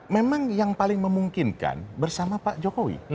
memang yang paling memungkinkan bersama pak jokowi